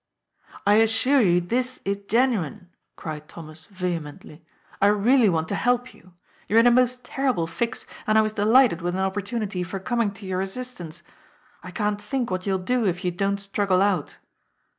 " I assure you this is genuine," cried Thomas vehement ly. " I really want to help you. You're in a most terrible fix, and I was delighted with an opportunity for coming to your assistance. I can't think what you'll do if you don't struggle out."